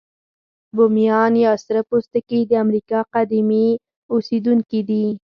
بومیان یا سره پوستکي د امریکا قديمي اوسیدونکي دي.